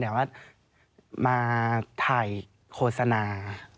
แต่ว่ามาถ่ายโฆษณา